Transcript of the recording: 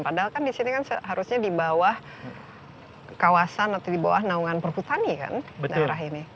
padahal kan di sini kan seharusnya di bawah kawasan atau di bawah naungan perhutani kan daerah ini